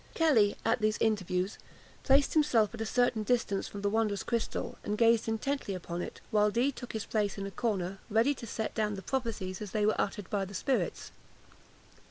Kelly, at these interviews, placed himself at a certain distance from the wondrous crystal, and gazed intently upon it, while Dee took his place in a corner, ready to set down the prophecies as they were uttered by the spirits.